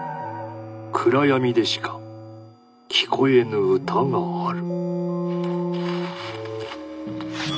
暗闇でしか聴こえぬ歌がある。